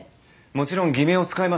もちろん偽名を使いました